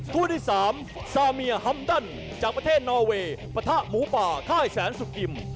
คู่ที่๓ซาเมียฮัมดันจากประเทศนอเวย์ปะทะหมูป่าค่ายแสนสุกิม